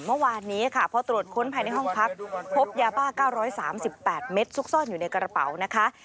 เมื่อวานนี้ค่ะพอตรวจค้นภายในห้องพักพบยาบ้า๙๓๘เม็ดซุกซ่อนอยู่ในกระเป๋านะคะ